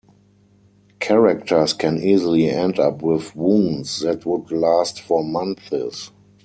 Characters can easily end up with wounds that would last for months.